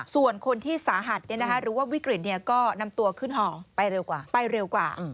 ส่วนคนที่สาหัสหรือว่าวิกฤตก็นำตัวขึ้นหอไปเร็วกว่า